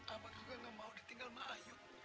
abang juga nggak mau ditinggal sama ayu